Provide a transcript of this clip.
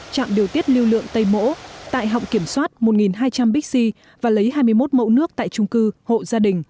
trạm điều tiết lưu lượng tây mỗ tại họng kiểm soát một hai trăm linh bixi và lấy hai mươi một mẫu nước tại trung cư hộ gia đình